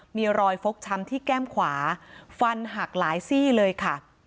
มีรอยฟกช้ำที่แก้มขวาฟันหักหลายซี่เลยค่ะ